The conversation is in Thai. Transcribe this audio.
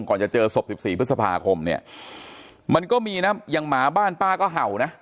ก่อนจะเจอศพ๑๔พฤษภาคมเนี่ยมันก็มีนะอย่างหมาบ้านป้าก็เห่านะ